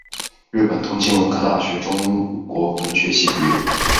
日本东京文科大学中国文学系毕业。